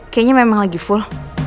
kayaknya memang lagi full